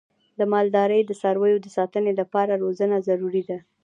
د مالدارۍ د څارویو د ساتنې لپاره روزنه ضروري ده.